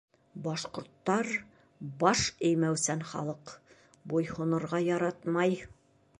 Башҡорттар — баш эймәүсән халыҡ, буйһонорға яратмай.